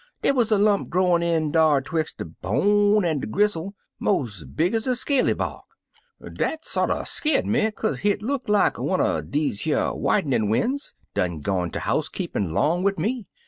dey wuz er lump growin' in dar, 'twix* de bone an' de grizzle, mos' big ez er scaly bark. Dat sorter skeer me, kaze hit look like wunner dezc yer widenin' wens done gone ter house keeping 'long wid me.